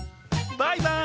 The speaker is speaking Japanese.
バイバーイ！